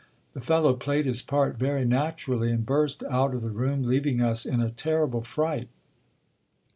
The fellow played his part very naturally, and burst out of the room, leaving us in a terrible fright.